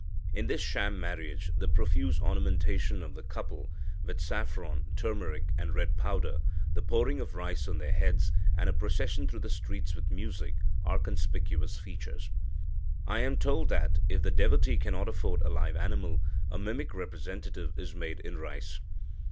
In this sham marriage, the profuse ornamentation of the couple with saffron (turmeric) and red powder, the pouring of rice on their heads, and a procession through the streets with music, are conspicuous features." I am told that, if the devotee cannot afford a live animal, a mimic representative is made in rice.